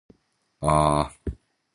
あー。